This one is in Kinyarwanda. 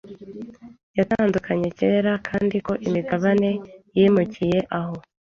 yatandukana kera kandi ko imigabane yimukiye aho